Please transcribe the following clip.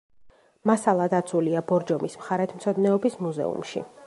მასალა დაცულია ბორჯომის მხარეთმცოდნეობის მუზეუმში.